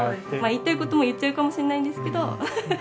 言いたいことも言っちゃうかもしれないんですけど。